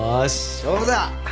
勝負だ